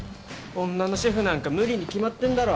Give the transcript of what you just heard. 女のシェフなんか無理に決まってんだろ。